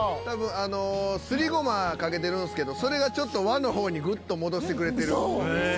多分あのすりゴマかけてるんですけどそれがちょっと和の方にグッと戻してくれてる。